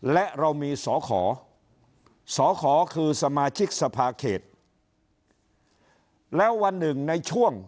และเรามีสอขอสอขอคือสมาชิกสภาเขตแล้ววันหนึ่งในช่วง